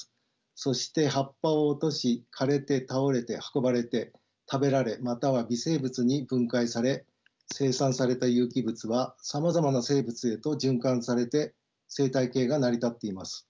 そして葉っぱを落とし枯れて倒れて運ばれて食べられまたは微生物に分解され生産された有機物はさまざまな生物へと循環されて生態系が成り立っています。